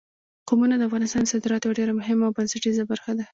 قومونه د افغانستان د صادراتو یوه ډېره مهمه او بنسټیزه برخه ده.